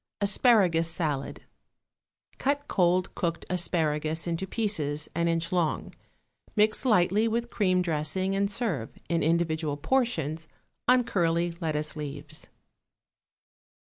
=Asparagus Salad.= Cut cold cooked asparagus into pieces an inch long, mix lightly with cream dressing and serve, in individual portions, on curly lettuce leaves.